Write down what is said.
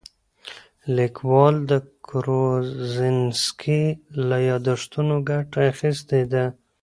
لیکوال د کروزینسکي له یادښتونو ګټه اخیستې ده.